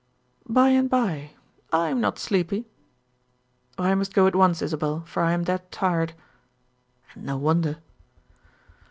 "By and by. I am not sleepy." "I must go at once, Isabel, for I am dead tired." And no wonder.